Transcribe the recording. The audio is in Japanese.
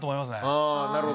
あぁなるほど。